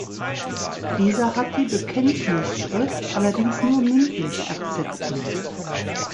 Dieser hat die Bekenntnisschrift allerdings nur mündlich akzeptiert.